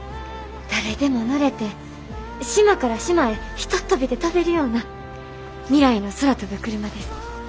誰でも乗れて島から島へひとっ飛びで飛べるような未来の空飛ぶクルマです。